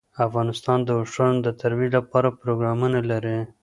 افغانستان د اوښانو د ترویج لپاره پروګرامونه لري.